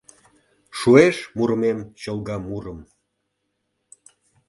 Шуэш мурымем чолга мурым.